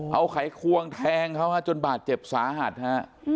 เอาไขควงแทงเขาจนบาดเจ็บสาหัสฮะ